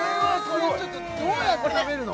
ちょっとどうやって食べるの？